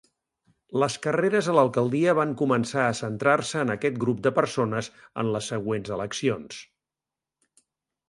Les carreres a l'alcaldia van començar a centrar-se en aquest grup de persones en les següents eleccions.